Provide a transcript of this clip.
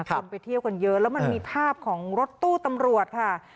คนไปเที่ยวกันเยอะแล้วมันมีภาพของรถตู้ตำรวจค่ะ